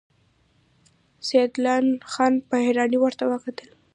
سيدال خان په حيرانۍ ورته وکتل.